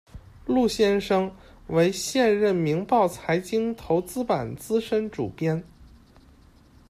陆先生为现任明报财经及投资版资深主编。